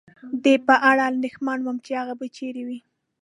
د په اړه اندېښمن ووم، هغه به چېرې و؟